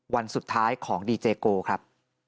วันสุดท้ายของดีเจโกครับ